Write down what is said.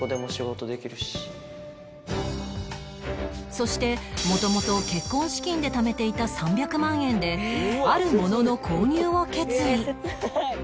そして元々結婚資金でためていた３００万円であるものの購入を決意